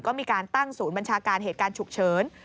ก็มีการตั้งศูนย์บัญชาการเหตุการณ์ฉุกเฉิน